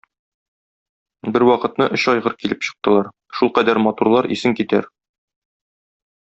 Бервакытны өч айгыр килеп чыктылар, шулкадәр матурлар, исең китәр.